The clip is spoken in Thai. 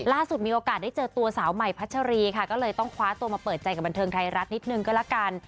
ล่าสุดมีโอกาสได้เจอตัวสาวใหม่พัชรีค่ะก็เลยต้องคว้าตัวมาเปิดใจกับบันเทิงไทยรัฐนิดนึงก็ละกัน